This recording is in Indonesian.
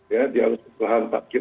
ya dia harus ke lahan parkir